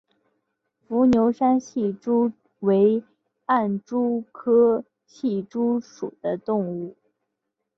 伏牛山隙蛛为暗蛛科隙蛛属的动物。